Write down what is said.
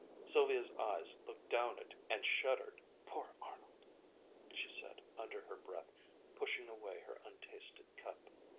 Sylvia's eyes looked down it and shuddered. "Poor Arnold!" she said under her breath, pushing away her untasted cup.